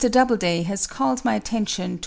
Doubleday has called my attention to M.